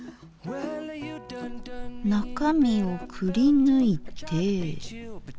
中身をくりぬいて。